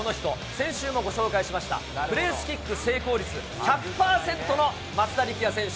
先週もご紹介しました、プレスキック成功率１００％の松田力也選手。